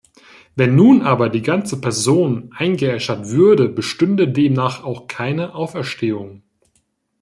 Wenn nun aber die ganze Person eingeäschert würde, bestünde demnach auch keine Auferstehung.